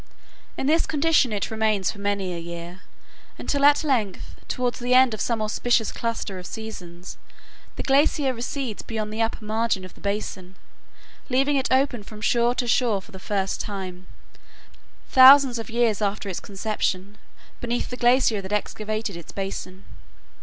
In this condition it remains for many a year, until at length, toward the end of some auspicious cluster of seasons, the glacier recedes beyond the upper margin of the basin, leaving it open from shore to shore for the first time, thousands of years after its conception beneath the glacier that excavated its basin.